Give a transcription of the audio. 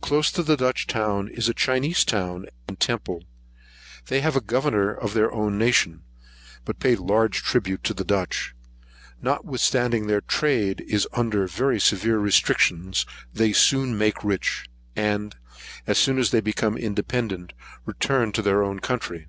Close to the Dutch town is a Chinese town and temple. They have a governor of their own nation, but pay large tribute to the Dutch. Notwithstanding their trade is under very severe restrictions, they soon make rich; and, as soon as they become independent, return to their own country.